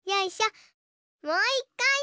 もういっかい！